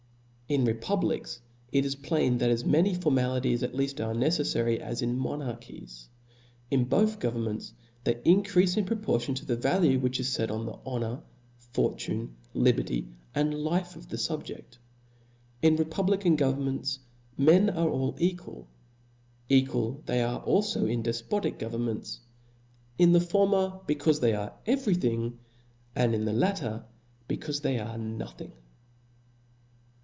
In republics it is plain, that as many formalities at lead are neceflary as in monarchies. In both governnwnts they increafe in proportion to the value which is fet on the honor, fortune, liberty and life of the fubje6t. In republican governments, men are all equal ; equal they are alfo in defpotic governments : in the former, becaufe they are every thing; in the latter, becaufe they are nothing.